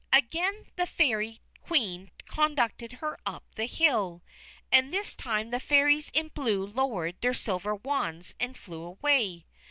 Again the Fairy Queen conducted her up the hill, and this time the Fairies in blue lowered their silver wands and flew away.